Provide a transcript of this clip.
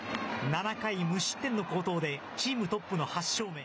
７回無失点の好投で、チームトップの８勝目。